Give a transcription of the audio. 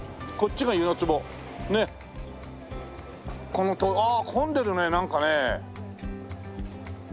この通りああ混んでるねなんかね。